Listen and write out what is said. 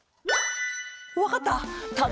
わかった？